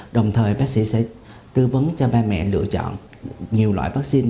đồng thời bác sĩ sẽ tư vấn cho ba mẹ lựa chọn nhiều loại vaccine